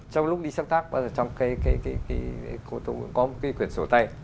trong lúc đi sắp tác bao giờ trong cái có một cái quyển sổ tay